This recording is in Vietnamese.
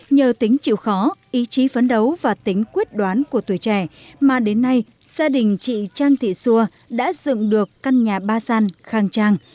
nhờ tính chịu khó ý chí phấn đấu và tính quyết đoán của tuổi trẻ mà đến nay gia đình chị trang thị xua đã dựng được căn nhà ba gian khang trang